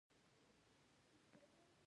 هغوې سرو پوځيانو ته ماتې ورکړه.